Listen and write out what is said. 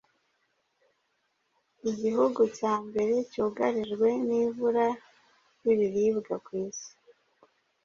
Igihugu cya mbere cyugarijwe n'ibura ry'ibiribwa kw'isi'